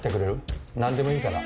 何でもいいから。